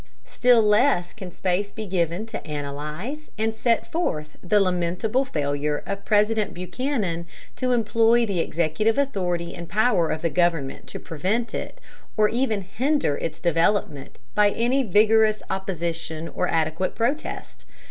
Still less can space be given to analyze and set forth the lamentable failure of President Buchanan to employ the executive authority and power of the government to prevent it, or even to hinder its development, by any vigorous opposition or adequate protest.